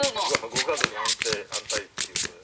ご家族安定安泰っていう。